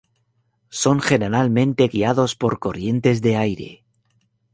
Son generalmente guiados por corrientes de aire.